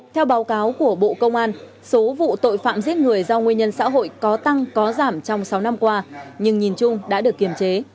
theo báo cáo của bộ công an số vụ tội phạm giết người do nguyên nhân xã hội có tăng có giảm trong sáu năm qua nhưng nhìn chung đã được kiềm chế